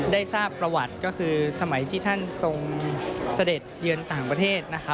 ได้ทราบสมัยที่ท่านทรงเสด็ดเยือนต่างประเทศ